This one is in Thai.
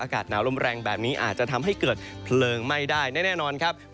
อากาศหนาวลมแรงแบบนี้อาจจะทำให้เกิดเพลิงไหม้ได้แน่นอนครับ